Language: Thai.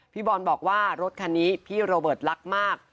พี่บอลบอกว่ารถคันนี้พี่โรเบิร์ตรักมาก